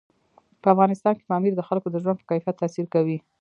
په افغانستان کې پامیر د خلکو د ژوند په کیفیت تاثیر کوي.